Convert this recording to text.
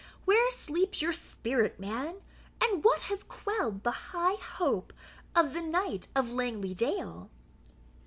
] where sleeps your spirit, man? and what has quelled the high hope of the Knight of Langley dale?"